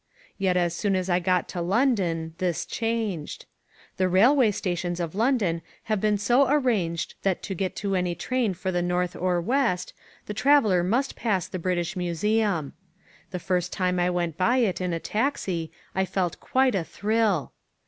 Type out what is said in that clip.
Yet as soon as I got to London this changed. The railway stations of London have been so arranged that to get to any train for the north or west, the traveller must pass the British Museum. The first time I went by it in a taxi, I felt quite a thrill.